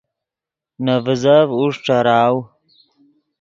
نے ڤیزف اوݰ ݯراؤ